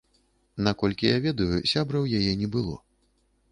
Наколькі я ведаю, сябра ў яе не было.